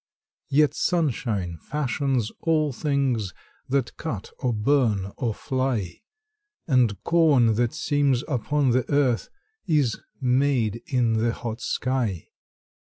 Yet sunshine fashions all things That cut or burn or fly; And corn that seems upon the earth Is made in the hot sky.